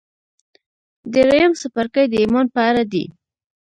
درېيم څپرکی د ايمان په اړه دی.